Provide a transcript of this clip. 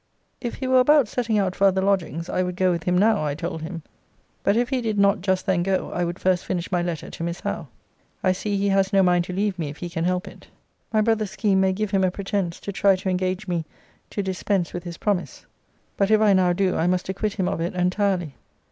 If he were about setting out for other lodgings, I would go with him now, I told him; but, if he did not just then go, I would first finish my letter to Miss Howe. I see he has no mind to leave me if he can help it. My brother's scheme may give him a pretence to try to engage me to dispense with his promise. But if I now do I must acquit him of it entirely.